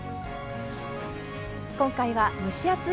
今回は蒸し暑い